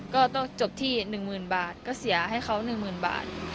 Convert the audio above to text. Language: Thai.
ก็ต้องจบที่๑๐๐๐บาทก็เสียให้เขา๑๐๐๐บาท